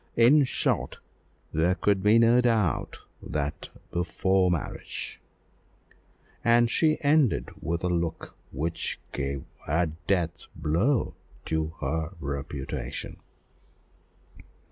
In short, there could be no doubt that before marriage," and she ended with a look which gave a death blow to the reputation.